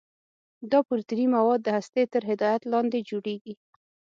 دا پروتیني مواد د هستې تر هدایت لاندې جوړیږي.